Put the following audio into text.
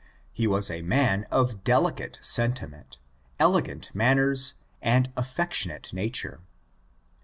He was a man of delicate sentiment, elegant manr ners, and affectionate nature.